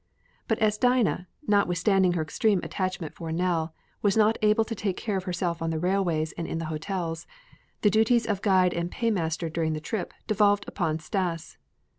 But as Dinah, notwithstanding her extreme attachment for Nell, was not able to take care of herself on the railways and in the hotels, the duties of guide and paymaster during this trip devolved upon Stas.